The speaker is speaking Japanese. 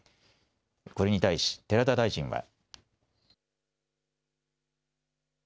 これに対し寺田大臣は。